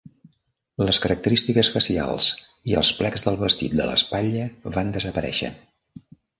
Les característiques facials i els plecs del vestit de l'espatlla van desaparèixer.